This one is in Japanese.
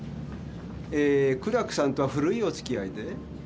えー苦楽さんとは古いおつきあいで？